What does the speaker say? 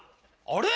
あれ？